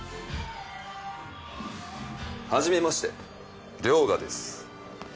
はじめまして涼雅です。